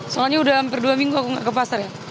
soalnya udah hampir dua minggu aku nggak ke pasar ya